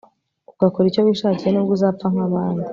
ugakora icyo wishakiye n'ubwo uzapfa nk'abandi